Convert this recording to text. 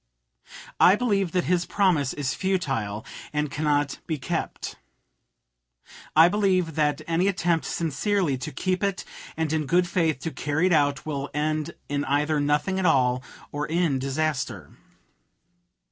I believe that his promise is futile and cannot be kept. I believe that any attempt sincerely to keep it and in good faith to carry it out will end in either nothing at all or in disaster.